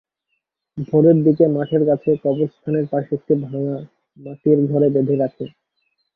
ভোরের দিকে মাঠের কাছে কবরস্থানের পাশে একটি ভাঙা মাটির ঘরে বেঁধে রাখে।